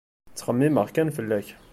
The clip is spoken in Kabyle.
Ttxemmimeɣ kan fell-ak.